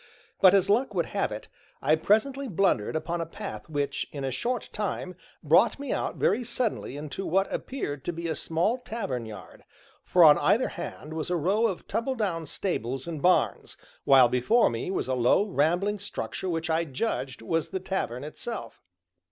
But, as luck would have it, I presently blundered upon a path which, in a short time, brought me out very suddenly into what appeared to be a small tavern yard, for on either hand was a row of tumble down stables and barns, while before me was a low, rambling structure which I judged was the tavern itself.